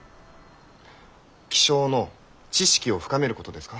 気象の知識を深めることですか？